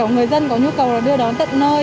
người dân có nhu cầu đưa đón tận nơi